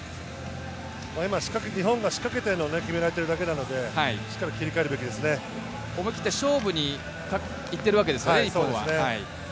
今、日本が仕掛けたのを決められているだけなので、しっかり切り替えるだけ思い切って勝負に行っているわけですね、日本は。